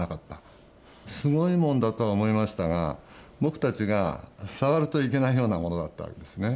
すごいもんだとは思いましたが僕たちが触るといけないようなものだったわけですね。